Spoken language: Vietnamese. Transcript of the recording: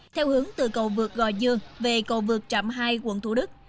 theo hướng từ cầu vượt gò dương về cầu vượt trạm hai quận thủ đức